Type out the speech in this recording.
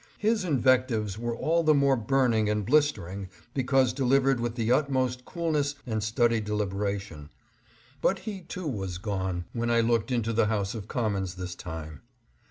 His invec tives were all the more burning and blistering because delivered with the utmost coolness and studied delibera tion. But he too was gone when I looked into the House of Commons this time.